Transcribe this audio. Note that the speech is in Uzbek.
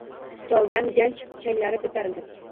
Stoldan ganch changlari koʻtarildi.